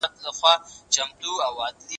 تا به يادولای ما به هېرولای .